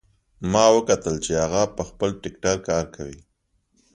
ما وکتل چې هغه په خپل ټکټر کار کوي